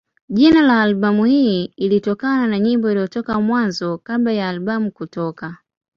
Jina la albamu hii lilitokana na nyimbo iliyotoka Mwanzo kabla ya albamu kutoka.